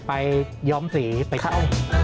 ไปย้อมศรีไปช่อง